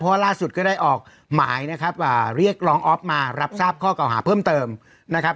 เพราะว่าล่าสุดก็ได้ออกหมายนะครับเรียกร้องอ๊อฟมารับทราบข้อเก่าหาเพิ่มเติมนะครับ